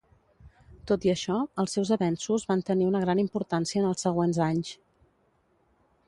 Tot i això, els seus avenços van tenir una gran importància en els següents anys.